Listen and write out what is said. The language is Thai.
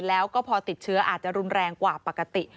แล้วก็พอติดเชื้ออาจจะรุนแรงกว่าปกติ